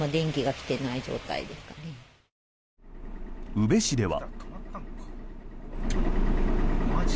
宇部市では。